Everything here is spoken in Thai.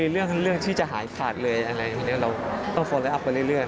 เรื่องที่จะหายขาดเลยเราต้องตามไปเรื่อย